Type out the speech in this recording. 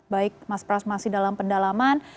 baik mas pras masih dalam pendalaman